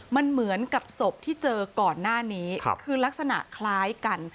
มันเหมือนกับศพที่เจอก่อนหน้านี้คือลักษณะคล้ายกัน